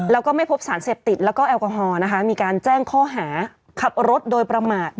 แล้วก็ไม่พบสารเสพติดแล้วก็แอลกอฮอล์มีการแจ้งข้อหาขับรถโดยประมาท